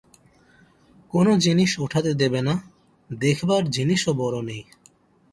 কোন জিনিষ ওঠাতে দেবে না, দেখবার জিনিষও বড় নেই।